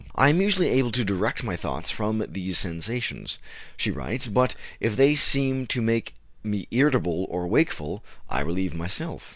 "I am usually able to direct my thoughts from these sensations," she writes, "but if they seem to make me irritable or wakeful, I relieve myself.